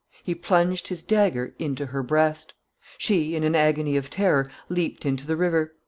He plunged his dagger into her breast. She, in an agony of terror, leaped into the river.